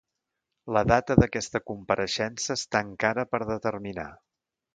La data d’aquesta compareixença està encara per determinar.